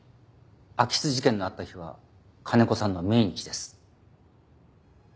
空き巣事件のあった日は金子さんの命日です。